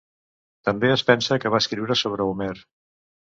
També es pensa que va escriure sobre Homer.